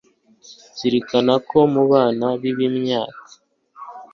zirikana ko mu bana bi bimyaka